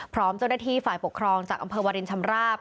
พร้อมเจ้าหน้าที่ฝ่ายปกครองจากอำเภอวารินชำราบ